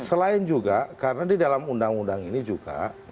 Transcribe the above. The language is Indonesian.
selain juga karena di dalam undang undang ini juga